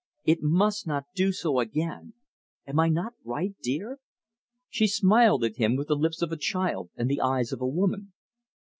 It must not do so again. Am I not right, dear?" She smiled at him with the lips of a child and the eyes of a woman.